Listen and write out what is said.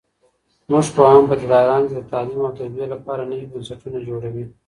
زموږ پوهان په دلارام کي د تعلیم او تربیې لپاره نوي بنسټونه جوړوي